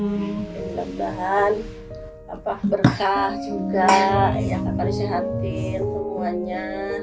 semoga berkah juga kakak bisa sehatin semuanya